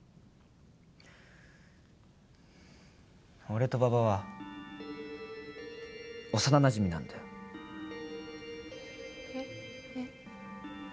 俺と馬場は幼なじみなんだよえっ？えっ？